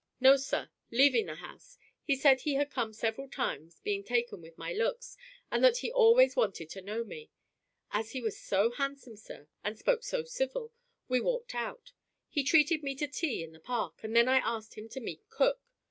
"No, sir. Leaving the house. He said he had come several times, being taken with my looks, and that he always wanted to know me. As he was so handsome, sir, and spoke so civil, we walked out. He treated me to tea in the Park, and then I asked him to meet cook.